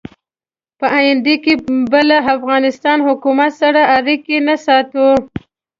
په آینده کې به له افغانستان حکومت سره اړیکې نه ساتو.